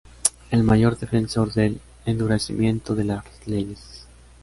el mayor defensor del endurecimiento de las leyes